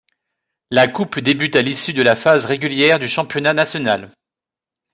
La Coupe débute à l'issue de la phase régulière du championnat national.